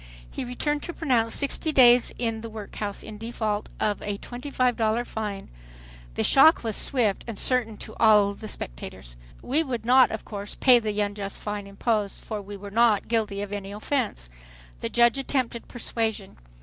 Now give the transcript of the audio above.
He returned to pronounce, "Sixty days in the workhouse in default of a twenty five dollar fine." The shock was swift and certain to all the spectators. We would not of course pay the unjust fine imposed, for we were not guilty of any offense. The judge attempted persuasion.